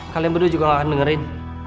kalian berdua juga gak akan dengerin